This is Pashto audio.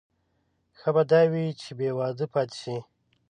ښه به دا وي چې بې واده پاتې شي.